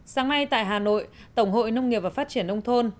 sáng nay tại hà nội tổng hội nông nghiệp và phát triển nông thôn